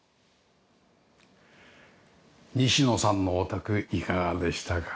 西野さんのお宅いかがでしたか？